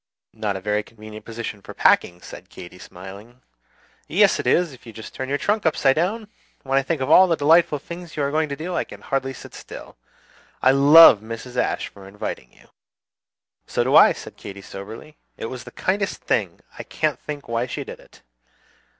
"Not a very convenient position for packing," said Katy, smiling. "Yes, it is, if you just turn your trunk upside down! When I think of all the delightful things you are going to do, I can hardly sit still. I love Mrs. Ashe for inviting you." "So do I," said Katy, soberly. "It was the kindest thing! I can't think why she did it."